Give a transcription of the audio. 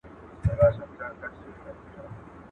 زه زړېږم او یاران مي یو په یو رانه بیلیږي.